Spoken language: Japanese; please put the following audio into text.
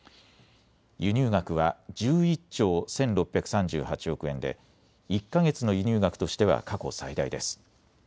輸入額は１１兆１６３８億円で１か月の輸入額としては過去最大です。